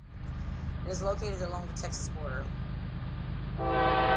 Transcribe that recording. It is located along the Texas border.